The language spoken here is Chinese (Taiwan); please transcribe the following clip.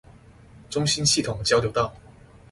中興系統交流道